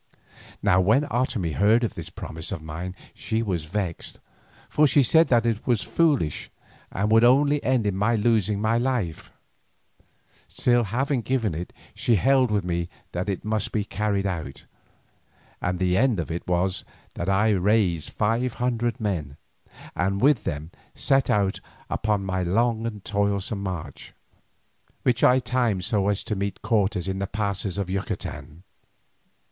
Now when Otomie heard of this promise of mine she was vexed, for she said that it was foolish and would only end in my losing my life. Still, having given it she held with me that it must be carried out, and the end of it was that I raised five hundred men, and with them set out upon my long and toilsome march, which I timed so as to meet Cortes in the passes of Yucatan.